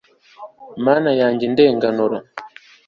mana yanjye, ndenganura